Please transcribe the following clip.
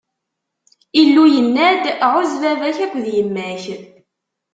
Illu yenna-d: Ɛuzz baba-k akked yemma-k.